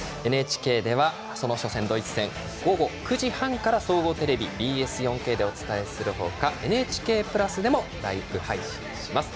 ＮＨＫではその初戦のドイツ戦午後９時半から総合テレビとＢＳ４Ｋでお伝えする他「ＮＨＫプラス」でもライブ配信します。